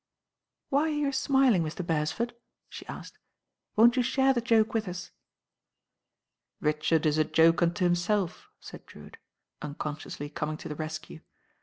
"Why are you smiling, Mr. Beresford?" she asked. "Won't you share the joke with us?" "Richard is a joke unto himself," said Drewitt, unconsciously coming to the rescue.